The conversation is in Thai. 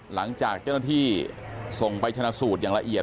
หลังจากเจ้าหน้าที่ส่งไปชนะสูตรอย่างละเอียด